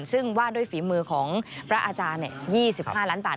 ซึ่งวาดด้วยฝีมือของพระอาจารย์๒๕ล้านบาท